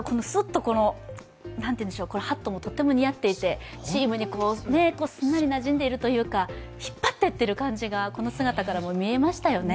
ハットもとても似合っていてチームにすんなりなじんでいるというか、引っ張ってってる感じがこの姿からも見えましたよね。